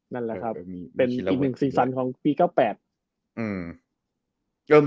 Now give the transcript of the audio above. นั่นแหละครับเป็นอีกหนึ่งสีสันของปี๙๘